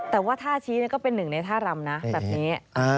แต่ว่าท่าชี้ก็เป็นหนึ่งในท่ารำนะแบบนี้